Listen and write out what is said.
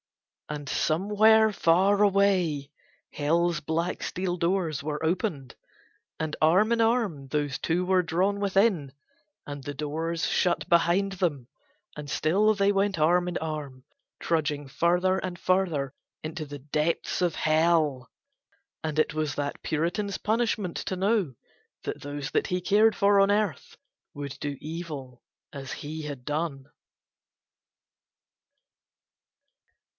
And somewhere far away Hell's black steel doors were opened, and arm in arm those two were drawn within, and the doors shut behind them and still they went arm in arm, trudging further and further into the deeps of Hell, and it was that Puritan's punishment to know that those that he cared for on Earth would do evil as he had done.